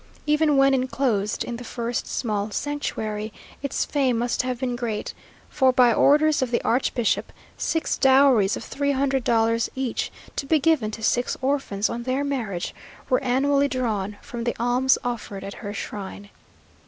Even when enclosed in the first small sanctuary, its fame must have been great, for, by orders of the archbishop, six doweries of three hundred dollars each, to be given to six orphans on their marriage, were annually drawn from the alms offered at her shrine.